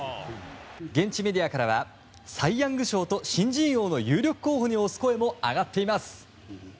現地メディアからはサイ・ヤング賞と新人王の有力候補に推す声も上がっています。